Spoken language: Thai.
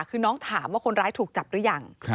คือน้องถามว่าคนร้ายถูกจับหรือยัง